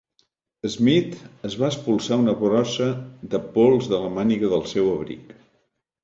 Smith es va espolsar una brossa de pols de la màniga del seu abric.